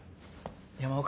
山岡。